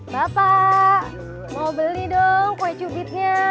bapak mau beli dong kue cubitnya